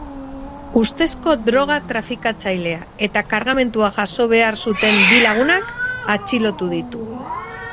Ustezko droga-trafikatzailea eta kargamentua jaso behar zuten bi lagunak atxilotu ditu.